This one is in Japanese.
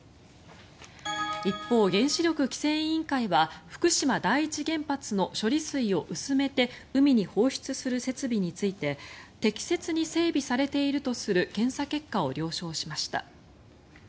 一方、原子力規制委員会は福島第一原発の処理水を薄めて海に放出する設備について適切に整備されているとする検査結果を了承しました。